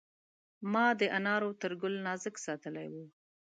ما د انارو تر ګل نازک ساتلی و.